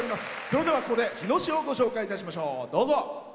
それでは、ここで日野市をご紹介いたしましょう。